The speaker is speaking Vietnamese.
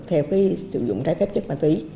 theo cái sử dụng trái phép chất ma túy